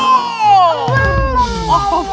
belum belum belum